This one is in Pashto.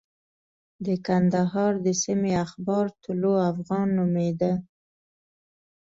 د کندهار د سیمې اخبار طلوع افغان نومېده.